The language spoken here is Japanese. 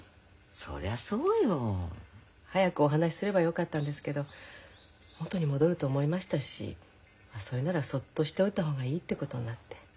そりゃそうよ。早くお話しすればよかったんですけど元に戻ると思いましたしそれならそっとしておいた方がいいってことになって。